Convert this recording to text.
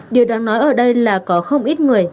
điều đáng nói ở đây là có không ít người